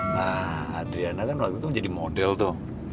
nah adriana kan waktu itu jadi model tuh